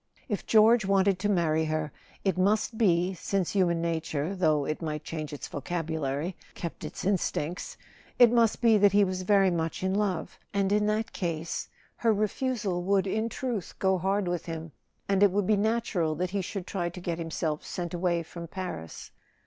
If George wanted to marry her, it must be (since human nature, though it might change its vocabulary, kept its in¬ stincts), it must be that he was very much in love— and in that case her refusal would in truth go hard with him, and it would be natural that he should try to get himself sent away from Paris.